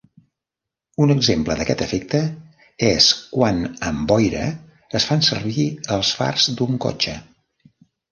Un exemple d’aquest efecte és quan amb boira, es fan servir els fars d'un cotxe.